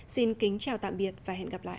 xin kính chào tạm biệt và hẹn gặp lại